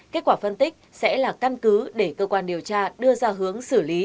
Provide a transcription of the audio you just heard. kết quả phân tích sẽ là căn cứ để cơ quan điều tra đưa ra hướng xử lý